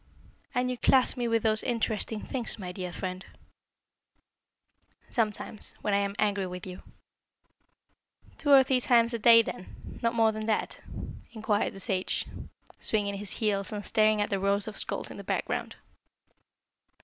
"And you class me with those interesting things, my dear friend?" "Sometimes: when I am angry with you." "Two or three times a day, then? Not more than that?" inquired the sage, swinging his heels, and staring at the rows of skulls in the background.